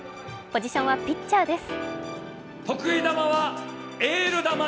ポジションはピッチャーです。